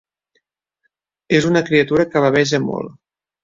És una criatura que baveja molt.